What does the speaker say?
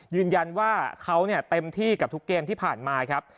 ยืนยันว่าเขาเต็มที่กับทุกเกมที่ผ่านมาครับ